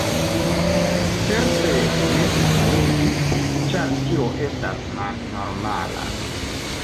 Certe ne senlime, ĉar tio estas malnormala.